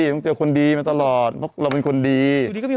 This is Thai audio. มันเกี่ยวคนดีมาตลอดเราเป็นคนดี